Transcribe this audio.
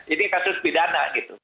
ini kasus pidana gitu